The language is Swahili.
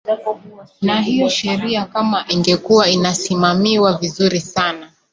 na hiyo sheria kama ingekuwa inasimamiwa vizuri sana